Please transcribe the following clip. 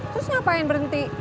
terus ngapain berhenti